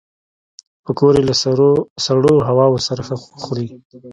پکورې له سړو هواوو سره ښه خوري